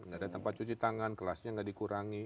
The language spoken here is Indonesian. enggak ada tempat cuci tangan kelasnya enggak dikurangi